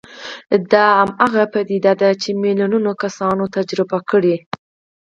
دا هماغه پدیده ده چې میلیونونه کسانو تجربه کړې